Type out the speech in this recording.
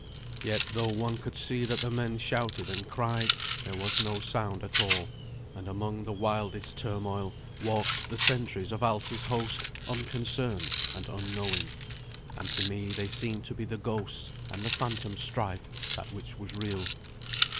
Yet though one could see that the men shouted and cried, there was no sound at all, and among the wildest turmoil walked the sentries of Alsi's host unconcerned and unknowing. And to me they seemed to be the ghosts, and the phantom strife that which was real.